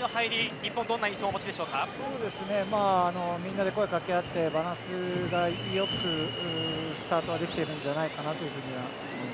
日本、どんな印象をみんなで声掛け合ってバランスが良くスタートはできているんじゃないかなというふうに思います。